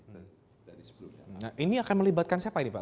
nah ini akan melibatkan siapa ini pak